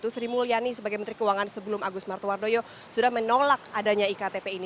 sri mulyani sebagai menteri keuangan sebelum agus martowardoyo sudah menolak adanya iktp ini